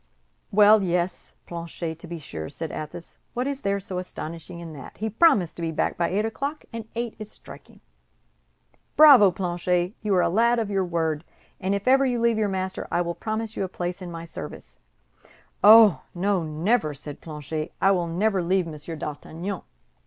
"Well, yes, Planchet, to be sure," said Athos, "what is there so astonishing in that? He promised to be back by eight o'clock, and eight is striking. Bravo, Planchet, you are a lad of your word, and if ever you leave your master, I will promise you a place in my service." "Oh, no, never," said Planchet, "I will never leave Monsieur d'Artagnan."